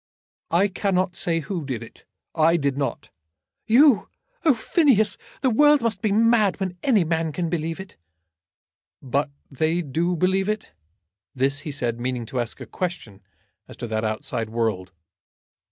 "I cannot say who did it. I did not." "You! Oh, Phineas! The world must be mad when any can believe it!" "But they do believe it?" This, he said, meaning to ask a question as to that outside world.